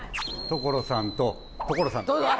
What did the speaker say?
所さんと所さんだ